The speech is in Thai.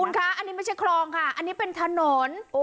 คุณคะอันนี้ไม่ใช่คลองค่ะอันนี้เป็นถนน